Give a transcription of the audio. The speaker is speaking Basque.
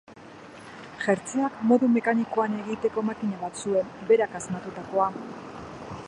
Jertseak modu mekanikoan egiteko makina zuen, berak asmatutakoa.